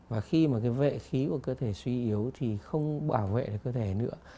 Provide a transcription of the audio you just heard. và khi mà cái vệ khí của cơ thể suy yếu thì không bảo vệ được cơ thể nữa